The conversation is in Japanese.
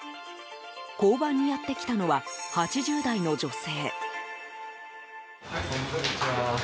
交番にやってきたのは８０代の女性。